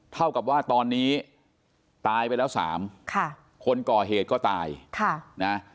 เท่ากับว่าตอนนี้ตายไปแล้วสามค่ะคนก่อเหตุก็ตายค่ะนะ